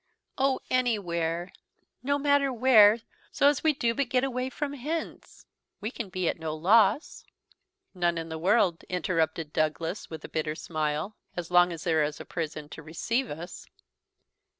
"Oh, anywhere; no matter where, so as we do but get away from hence: we can be at no loss." "None in the world," interrupted Douglas, with a bitter smile, "as long as there is a prison to receive us.